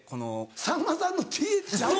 さんまさんのｔｈちゃうぞ。